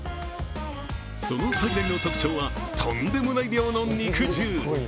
その最大の特徴は、とんでもない量の肉汁。